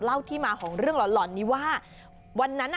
เล่าที่มาของเรื่องหล่อนหล่อนนี้ว่าวันนั้น